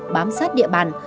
bám sát địa bàn